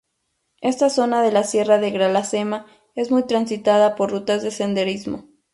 Esta zona de la Sierra de Grazalema es muy transitada por rutas de senderismo.